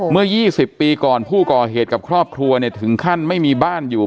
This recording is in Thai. เมื่อ๒๐ปีก่อนผู้ก่อเหตุกับครอบครัวเนี่ยถึงขั้นไม่มีบ้านอยู่